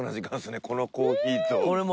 このコーヒーと。